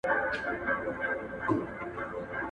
• شين د شانه معلومېږي.